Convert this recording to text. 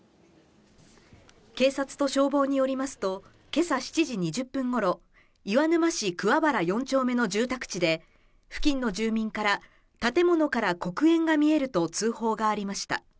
警察と消防によりますと、今朝７時２０分頃、岩沼市桑原４丁目の住宅地で付近の住民から、建物から黒煙が見えると通報がありました。